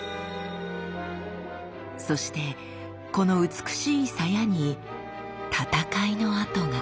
そしてこの美しい鞘に戦いの跡が。